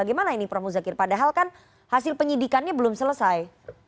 ini pramu zakir padahal kan hasil penyidikannya belum selesai